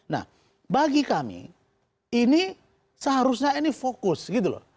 nah bagi kami ini seharusnya ini fokus gitu loh